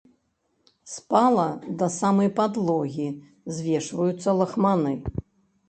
З пала да самай падлогі звешваюцца лахманы.